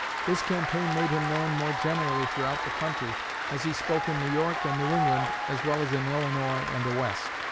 This campaign made him known more generally throughout the country, as he spoke in New York and New England as well as in Illinois and the West.